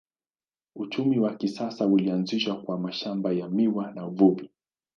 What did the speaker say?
Uchumi wa kisasa ulianzishwa kwa mashamba ya miwa na uvuvi.